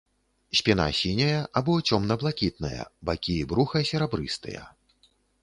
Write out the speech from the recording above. Спіна сіняя або цёмна-блакітная, бакі і бруха серабрыстыя.